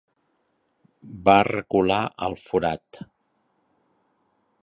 Va recular al forat.